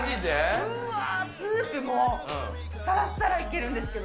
うわー、スープもさらっさらいけるんですけど。